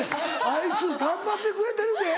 あいつ頑張ってくれてるで。